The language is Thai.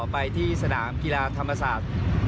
ไปที่สนามกีฬาธรรมศาสตร์